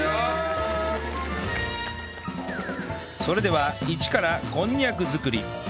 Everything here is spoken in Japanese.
それではイチからこんにゃく作り